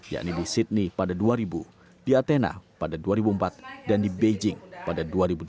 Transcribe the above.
yakni di sydney pada dua ribu di athena pada dua ribu empat dan di beijing pada dua ribu delapan